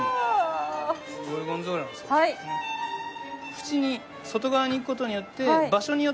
縁に外側にいく事によって。